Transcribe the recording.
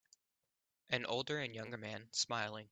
An older and younger man smiling.